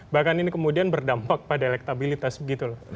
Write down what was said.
bahkan ini kemudian berdampak pada elektabilitas begitu loh